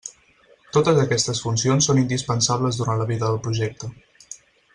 Totes aquestes funcions són indispensables durant la vida del projecte.